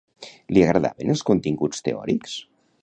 Li agradaven els continguts teòrics?